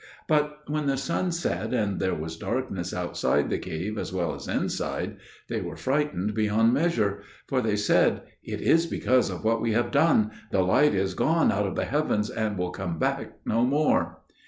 But when the sun set and there was darkness outside the cave as well as inside, they were frightened beyond measure; for they said, "It is because of what we have done: the light is gone out of the heavens, and will come back no more."